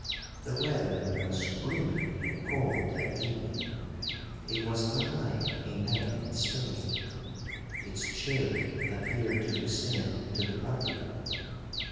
'The weather was gloomy and cold that evening,—it was unlike a night in Spain. Its chill appeared to extend to the party.